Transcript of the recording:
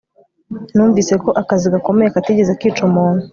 numvise ko akazi gakomeye katigeze kica umuntu